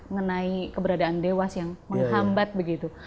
mengenai keberadaan dewas yang menghambat begitu